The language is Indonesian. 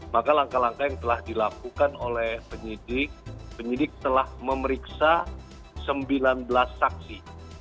maka langkah langkah yang telah dilakukan oleh penyidik penyidik telah memeriksa sembilan belas saksi